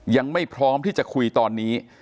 ยังไม่พร้อมที่จะคุยตอนนี้